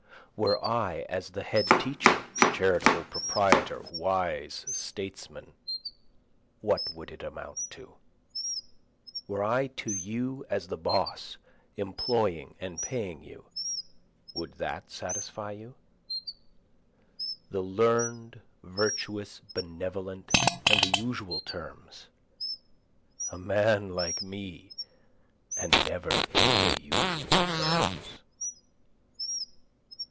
Were I as the head teacher, charitable proprietor, wise statesman, what would it amount to? Were I to you as the boss employing and paying you, would that satisfy you? The learn'd, virtuous, benevolent, and the usual terms, A man like me and never the usual terms.